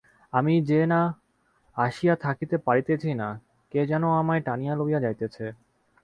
আমি যে না আসিয়া থাকিতে পারিতেছি না, কে যেন আমায় টানিয়া লইয়া যাইতেছে।